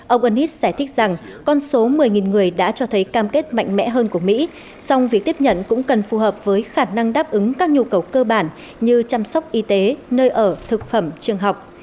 ông anish giải thích rằng con số một mươi người đã cho thấy cao